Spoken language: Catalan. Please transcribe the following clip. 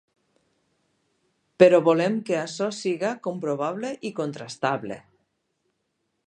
Però volem que açò siga comprovable i contrastable.